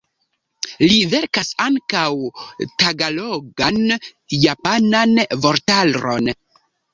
Li verkas ankaŭ tagalogan-japanan vortaron.